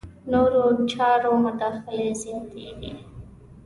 نورو چارو مداخلې زیاتېږي.